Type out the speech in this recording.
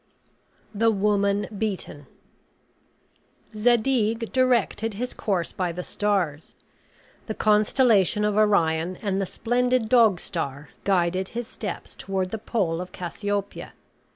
THE WOMAN BEATEN Zadig directed his course by the stars. The constellation of Orion and the splendid Dog Star guided his steps toward the pole of Cassiopæa.